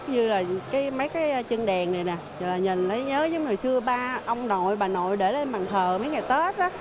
như là mấy cái chân đèn này nè nhớ giống như hồi xưa ba ông nội bà nội để lên bàn thờ mấy ngày tết á